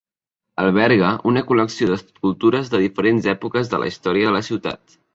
Alberga una col·lecció d'escultures de diferents èpoques de la història de la ciutat.